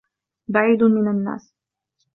بَعِيدٌ مِنْ النَّاسِ